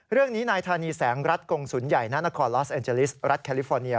เรื่องนี้นายธานีแสงรัฐกงศูนย์ใหญ่ณนครลอสแอนเจลิสรัฐแคลิฟอร์เนีย